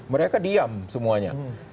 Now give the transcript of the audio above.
mereka diam semuanya